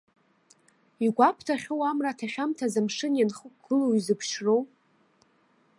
Игәабҭахьоу амра аҭашәамҭаз амшын ианхықәгыло изеиԥшроу?